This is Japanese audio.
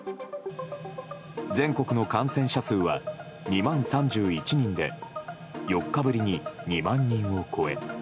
全国の感染者数は２万３１人で４日ぶりに２万人を超え